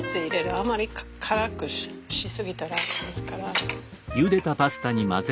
あんまり辛くし過ぎたら駄目ですから。